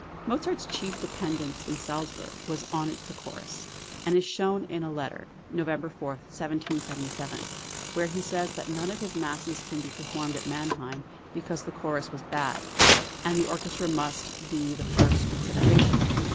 Mozart's chief dependence in Salzburg was on the chorus, as is shown in a letter (November 4, 1777), where he says that none of his masses can be performed at Mannheim, because the chorus was bad, and the orchestra must be the first consideration.